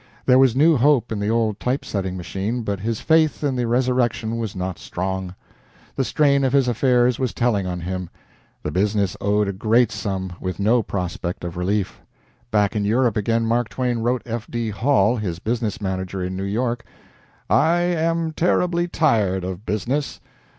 There was new hope in the old type setting machine, but his faith in the resurrection was not strong. The strain of his affairs was telling on him. The business owed a great sum, with no prospect of relief. Back in Europe again, Mark Twain wrote F. D. Hall, his business manager in New York: "I am terribly tired of business.